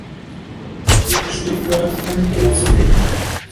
Heute steht dort eine große Linde.